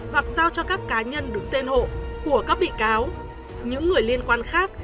hoặc giao cho các cá nhân đứng tên hộ của các bị cáo những người liên quan khác